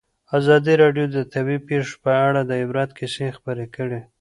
ازادي راډیو د طبیعي پېښې په اړه د عبرت کیسې خبر کړي.